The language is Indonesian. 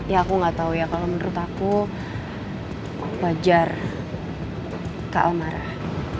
ya aku gak tau ya kalau menurut aku wajar kak al marah